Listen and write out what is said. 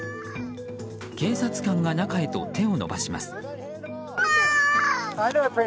警察官が中へと手を伸ばします。